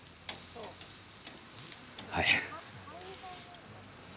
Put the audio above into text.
はい。